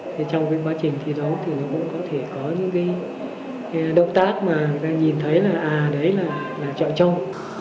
thế trong cái quá trình thi đấu thì nó cũng có thể có những cái động tác mà người ta nhìn thấy là à đấy là trọi trâu